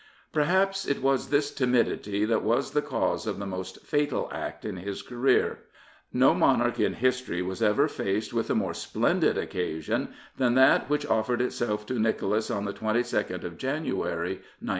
Perhaps it was this timidity that was the cause of the most fatal act in his career. No monarch in history was ever faced with a more splendid occasion than that which offered itself to Nicholas on the 22nd of January 1905.